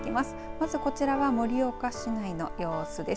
まずこちらは盛岡市内の様子です。